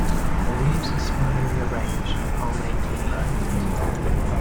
The leaves are spirally arranged, and palmately lobed.